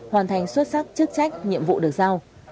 hoàn thành xuất sắc chức trách nhiệm vụ được giao